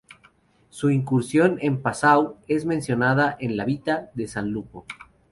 Su incursión en Passau es mencionada en la "vita" de San Lupo.